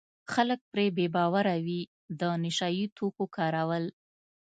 خلک پرې بې باوره وي د نشه یي توکو کارول.